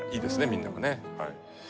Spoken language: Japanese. みんなもね。